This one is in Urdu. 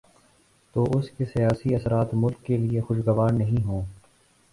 تو اس کے سیاسی اثرات ملک کے لیے خوشگوار نہیں ہوں۔